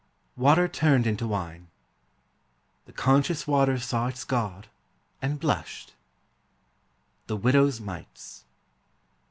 WATER TURNED INTO WINE. The conscious water saw its God and blushed. THE WIDOW'S MITES.